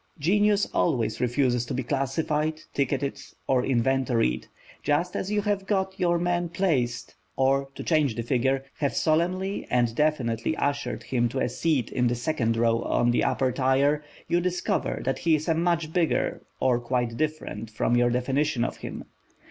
Genius always refuses to be classified, ticketed, or inventoried; just as you have got your man "placed," or, to change the figure, have solemnly and definitely ushered him to a seat in the second row on the upper tier, you discover that he is much bigger than or quite different from your definition of him.